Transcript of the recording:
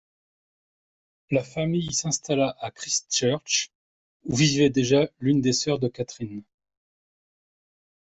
La famille s'installa à Christchurch, où vivait déjà l'une des sœurs de Katherine.